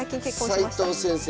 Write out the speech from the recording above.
斎藤先生？